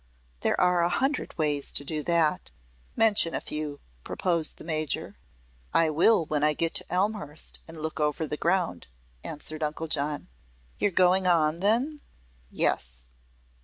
There are a hundred ways to do that." "Mention a few," proposed the Major. "I will when I get to Elmhurst and look over the ground," answered Uncle John. "You're going on, then?" "Yes."